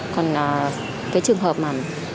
còn cái trường hợp mà